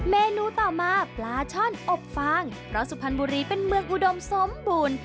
เมนูต่อมาปลาช่อนอบฟางเพราะสุพรรณบุรีเป็นเมืองอุดมสมบูรณ์